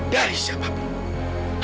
dari siapa pun